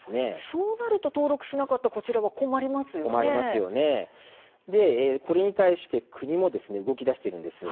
そうなると登録しなかったらこれに対して国も動きだしているんです。